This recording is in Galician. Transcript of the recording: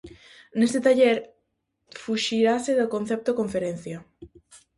Neste taller fuxirase do concepto conferencia.